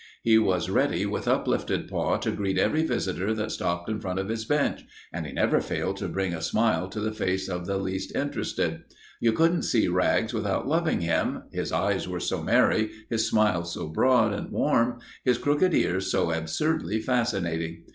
He was ready with uplifted paw to greet every visitor that stopped in front of his bench and he never failed to bring a smile to the face of the least interested. You couldn't see Rags without loving him, his eyes were so merry, his smile so broad and warm, his crooked ears so absurdly fascinating.